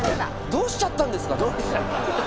どうしちゃったんですか？